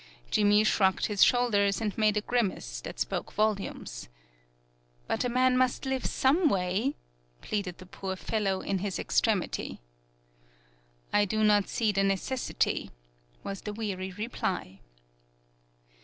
Jimmy shrugged his shoulders and made a grimace that spoke volumes. "But a man must live some way!" pleaded the poor fellow in his extremity. "I do not see the necessity," was the weary reply.